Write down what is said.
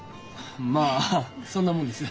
まあそんなもんです。